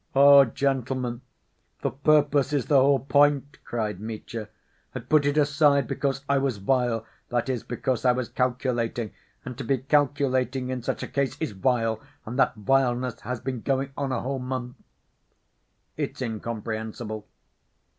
"Oh, gentlemen, the purpose is the whole point!" cried Mitya. "I put it aside because I was vile, that is, because I was calculating, and to be calculating in such a case is vile ... and that vileness has been going on a whole month." "It's incomprehensible."